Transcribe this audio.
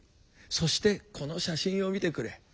そしてこの写真を見てくれ。